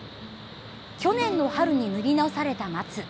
去年の春に塗り直された松。